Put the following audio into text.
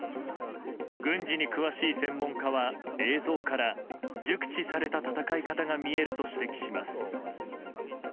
軍事に詳しい専門家は映像から熟知された戦い方が見えると指摘します。